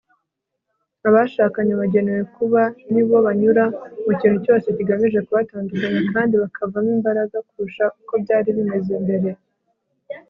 abashakanye bagenewe kuba ni bo banyura mu kintu cyose kigamije kubatandukanya kandi bakavamo imbaraga kurusha uko byari bimeze mbere